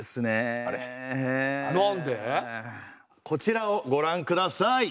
こちらをご覧下さい。